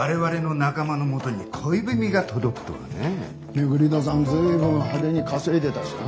廻戸さん随分派手に稼いでたしな。